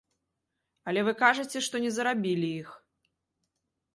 Але вы кажаце, што не зарабілі іх.